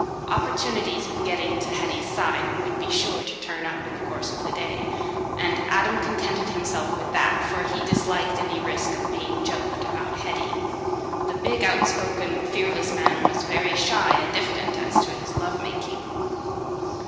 Opportunities of getting to Hetty's side would be sure to turn up in the course of the day, and Adam contented himself with that for he disliked any risk of being "joked" about Hetty—the big, outspoken, fearless man was very shy and diffident as to his love making.